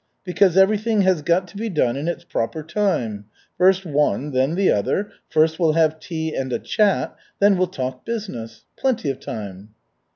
Because everything has got to be done in its proper time. First one, then the other, first we'll have tea and a chat, then we'll talk business. Plenty of time."